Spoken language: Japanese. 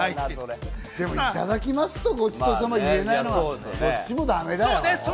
いただきますとごちそうさまが言えないのはそっちもだめだよね。